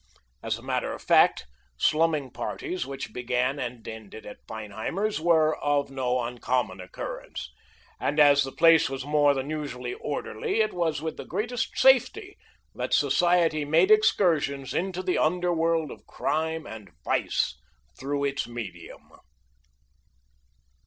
As a matter of fact, slumming parties which began and ended at Feinheimer's were of no uncommon occurrence, and as the place was more than usually orderly it was with the greatest safety that society made excursions into the underworld of crime and vice through its medium.